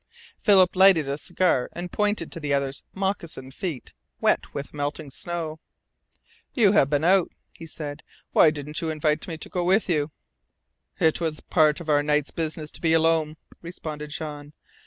Philip lighted a cigar, and pointed to the other's moccasined feet, wet with melting snow. "You have been out," he said. "Why didn't you invite me to go with you?" "It was a part of our night's business to be alone," responded Jean.